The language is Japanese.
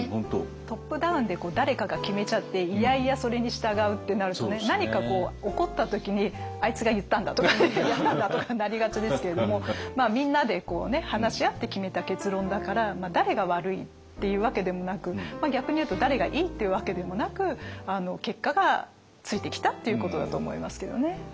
トップダウンで誰かが決めちゃって嫌々それに従うってなると何か起こった時にあいつが言ったんだとかねやったんだとかになりがちですけれどもみんなで話し合って決めた結論だから誰が悪いっていうわけでもなく逆に言うと誰がいいっていうわけでもなく結果がついてきたっていうことだと思いますけどね。